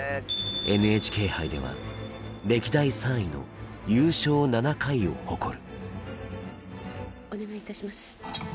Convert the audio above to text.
ＮＨＫ杯では歴代３位の優勝７回を誇るお願いいたします。